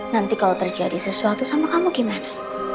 nanti kalau terjadi sesuatu sama kamu gimana